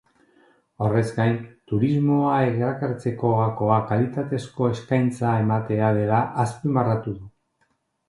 Horrez gain, turismoa erakartzeko gakoa kalitatezko eskaintza ematea dela azpimarratu du.